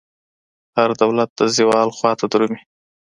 هر دولت د زوال خواته درومي.